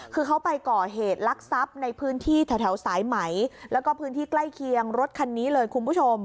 คือเขาไปก่อเหตุลักษัพในพื้นที่แถวสายไหมแล้วก็พื้นที่ใกล้เคียงรถคันนี้เลยคุณผู้ชม